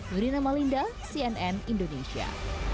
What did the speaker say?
nurina malinda cnn indonesia